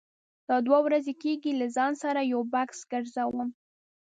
دا دوه ورځې کېږي زه له ځان سره یو بکس ګرځوم.